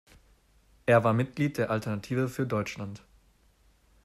Er war Mitglied der Alternative für Deutschland.